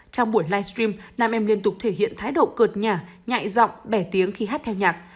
trong buổi livestream nam em liên tục thể hiện thái độ cợt nhải giọng bẻ tiếng khi hát theo nhạc